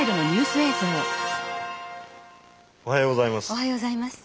おはようございます。